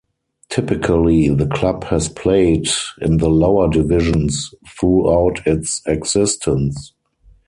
Typically the club has played in the lower divisions throughout its existence.